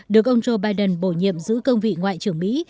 được ông joe biden bổ nhiệm giữ công vị ngoại trưởng mỹ